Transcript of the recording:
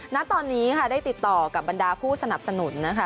ณตอนนี้ค่ะได้ติดต่อกับบรรดาผู้สนับสนุนนะคะ